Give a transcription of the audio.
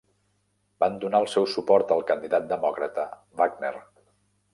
Van donar el seu suport al candidat demòcrata Wagner.